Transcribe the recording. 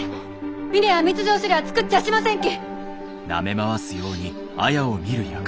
峰屋は密造酒らあ造っちゃあしませんき！